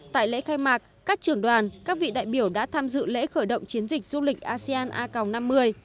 tại lễ khai mạc các trưởng đoàn các vị đại biểu đã tham dự lễ khởi động chiến dịch du lịch asean a g năm mươi